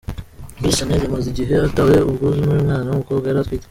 Miss Shanel yari amaze igihe atewe ubwuzu n'uyu mwana w'umukobwa yari atwite.